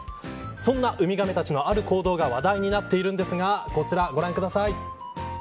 そんなウミガメたちのある行動が話題になっているんですがこちらご覧ください。